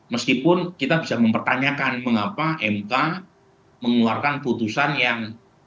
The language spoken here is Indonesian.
meskipun kita bisa mempertanyakan mengapa mk mengeluarkan putusan yang